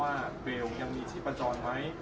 ว่ามีการทดสอบไหมครับว่าเบลยังมีชีพปัจจรไหม